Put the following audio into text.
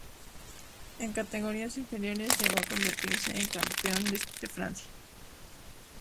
En categorías inferiores llegó a convertirse en campeón de Francia.